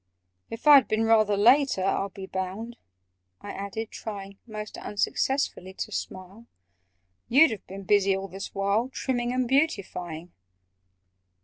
"If I'd been rather later, I'll Be bound," I added, trying (Most unsuccessfully) to smile, "You'd have been busy all this while, Trimming and beautifying?"